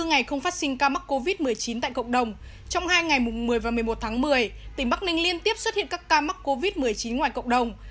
ba mươi ngày không phát sinh ca mắc covid một mươi chín tại cộng đồng trong hai ngày một mươi và một mươi một tháng một mươi tỉnh bắc ninh liên tiếp xuất hiện các ca mắc covid một mươi chín ngoài cộng đồng